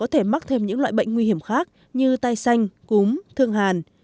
nhiều loại bệnh nguy hiểm khác như tai xanh cúm thương hàn